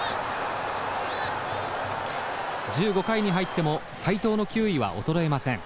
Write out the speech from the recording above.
１５回に入っても斎藤の球威は衰えません。